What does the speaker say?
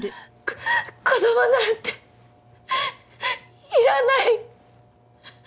子供なんていらない！